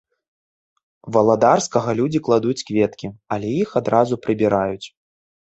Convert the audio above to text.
Валадарскага людзі кладуць кветкі, але іх адразу прыбіраюць.